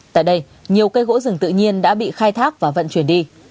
tại đây nhiều cây gỗ rừng tự nhiên đã bị khai thác và vận chuyển đi